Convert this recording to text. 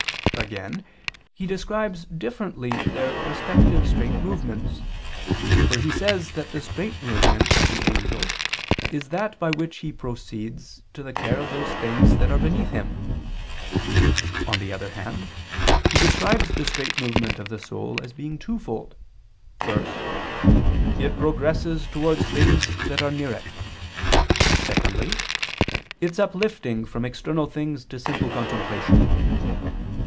Again, he describes differently their respective straight movements. For he says that the straight movement of the angel is that by which he proceeds to the care of those things that are beneath him. On the other hand, he describes the straight movement of the soul as being twofold: first, "its progress towards things that are near it"; secondly, "its uplifting from external things to simple contemplation."